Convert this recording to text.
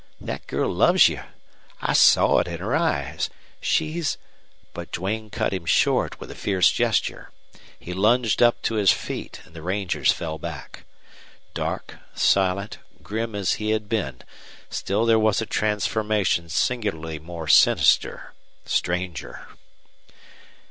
That girl loves you! I saw it in her eyes. She's " But Duane cut him short with a fierce gesture. He lunged up to his feet, and the rangers fell back. Dark, silent, grim as he had been, still there was a transformation singularly more sinister, stranger.